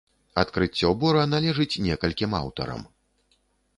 Адкрыццё бора належыць некалькім аўтарам.